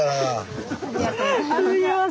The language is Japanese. ありがとうございます。